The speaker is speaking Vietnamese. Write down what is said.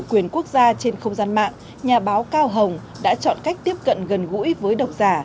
quyền quốc gia trên không gian mạng nhà báo cao hồng đã chọn cách tiếp cận gần gũi với độc giả